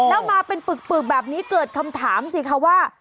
แล้วมาเป็นปึกแบบนี้เกิดคำถามสิคะว่า